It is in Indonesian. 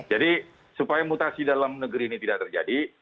jadi supaya mutasi dalam negeri ini tidak terjadi